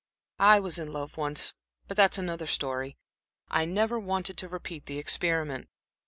I was in love once but that's another story. I never wanted to repeat the experiment.